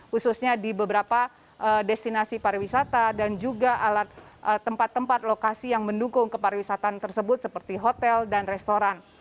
khususnya di beberapa destinasi pariwisata dan juga alat tempat tempat lokasi yang mendukung kepariwisataan tersebut seperti hotel dan restoran